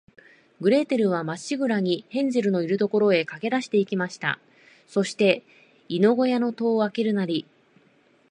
グレーテルは、まっしぐらに、ヘンゼルのいる所へかけだして行きました。そして、犬ごやの戸をあけるなり、